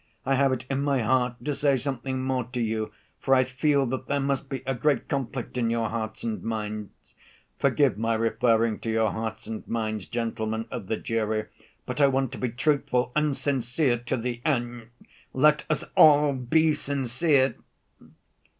I have it in my heart to say something more to you, for I feel that there must be a great conflict in your hearts and minds.... Forgive my referring to your hearts and minds, gentlemen of the jury, but I want to be truthful and sincere to the end. Let us all be sincere!"